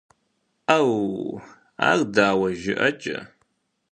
- Ӏэууу! Ар дауэ жыӀэкӀэ?